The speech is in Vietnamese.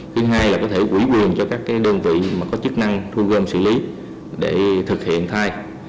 thứ hai là có thể quỹ quyền cho các đơn vị có chức năng thu gom xử lý để thực hiện thay